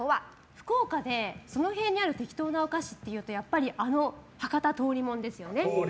福岡でその辺にある適当なお菓子っていうとやっぱりあの博多とおりもんですよね。